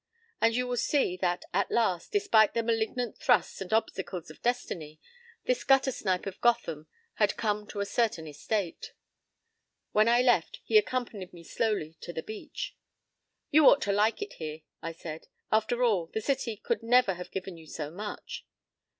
For you will see that at last, despite the malignant thrusts and obstacles of destiny, this gutter snipe of Gotham had come to a certain estate. When I left, he accompanied me slowly to the beach. "You ought to like it here," I said. "After all, the city could never have given you so much."